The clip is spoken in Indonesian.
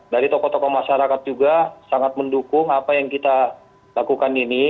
dari tokoh tokoh masyarakat juga sangat mendukung apa yang kita lakukan ini